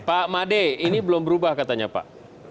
pak made ini belum berubah katanya pak